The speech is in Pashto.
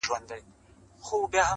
• هغه اولس به اخته په ویر وي -